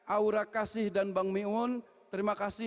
aura kasih dan bang miun terima kasih